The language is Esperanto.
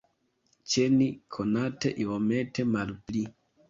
Ĉe ni, konate, iomete malpli.